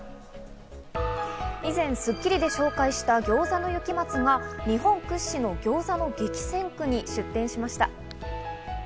以前『スッキリ』で紹介した餃子の雪松が日本屈指の餃子の激戦区に出店しました。